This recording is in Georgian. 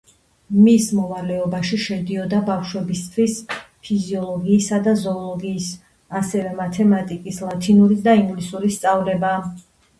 მის მოვალეობაში შედიოდა ბავშვებისთვის ფიზიოლოგიისა და ზოოლოგიის, ასევე მათემატიკის, ლათინურის და ინგლისურის სწავლება.